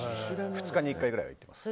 ２日に１回くらいです。